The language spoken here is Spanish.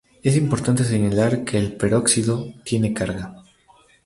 Es importante señalar que el peróxido tiene carga.